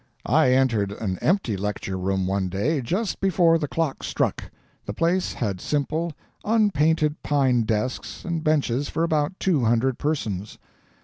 I entered an empty lecture room one day just before the clock struck. The place had simple, unpainted pine desks and benches for about two hundred persons.